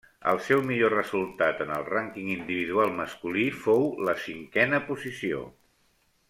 El seu millor resultat en el rànquing individual masculí fou la cinquena posició.